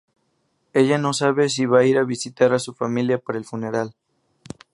Ella no sabe si va ir a visitar a su familia para el funeral.